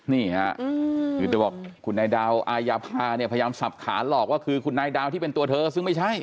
นี่ค่ะคือเธอบอกคุณนายดาวอายภาเนี่ยพยายามสับขาหลอกว่าคือคุณนายดาวที่เป็นตัวเธอซึ่งไม่ใช่